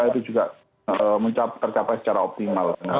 itu juga tercapai secara optimal